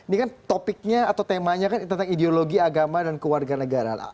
ini kan topiknya atau temanya kan tentang ideologi agama dan keluarga negaraan